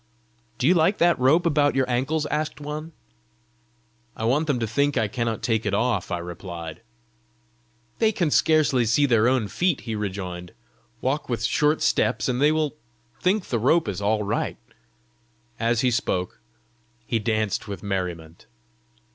"Do you like that rope about your ankles?" asked one. "I want them to think I cannot take it off," I replied. "They can scarcely see their own feet!" he rejoined. "Walk with short steps and they will think the rope is all right." As he spoke, he danced with merriment.